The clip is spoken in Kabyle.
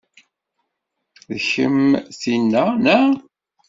D kemm tinna, neɣ?